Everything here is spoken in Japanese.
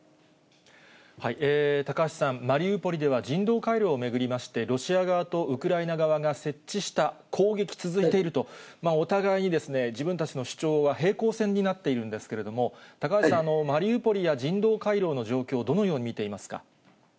高橋さん、マリウポリでは人道回廊を巡りまして、ロシア側とウクライナ側が設置した、攻撃続いていると、お互いに自分たちの主張は平行線になっているんですけれども、高橋さん、マリウポリや人道回廊の状況、どのように見ていますか？